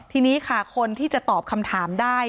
ทีนี้ค่ะคนที่จะตอบคำถามได้